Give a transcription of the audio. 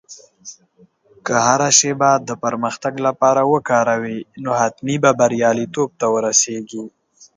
که هره شېبه د پرمختګ لپاره وکاروې، نو حتمي به بریالیتوب ته ورسېږې.